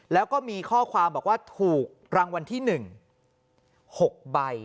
แล้วก็มีข้อความบอกว่าถูกรางวัลที่๑๖ใบ